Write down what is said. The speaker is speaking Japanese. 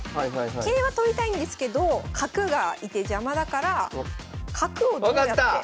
桂馬取りたいんですけど角が居て邪魔だから角をどうやって。